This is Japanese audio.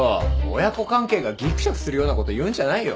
親子関係がギクシャクするようなこと言うんじゃないよ。